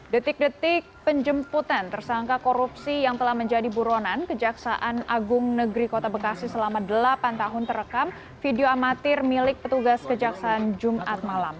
detik detik penjemputan tersangka korupsi yang telah menjadi buronan kejaksaan agung negeri kota bekasi selama delapan tahun terekam video amatir milik petugas kejaksaan jumat malam